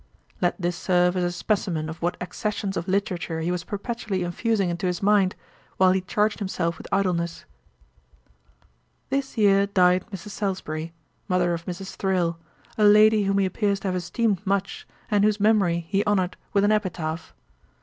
Let this serve as a specimen of what accessions of literature he was perpetually infusing into his mind, while he charged himself with idleness. This year died Mrs. Salusbury, (mother of Mrs. Thrale,) a lady whom he appears to have esteemed much, and whose memory he honoured with an Epitaph.